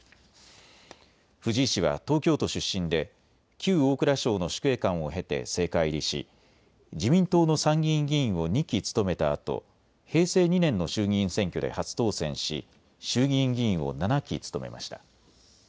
藤井氏は東京都出身で旧大蔵省の主計官を経て政界入りし自民党の参議院議員を２期務めたあと平成２年の衆議院選挙で初当選し衆議院議員を７期務めました。